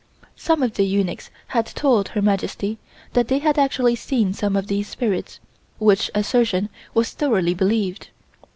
Some of the eunuchs had told Her Majesty that they had actually seen some of these spirits, which assertion was thoroughly believed.